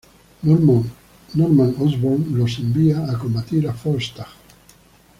Norman Osborn los envía a combatir a Volstagg.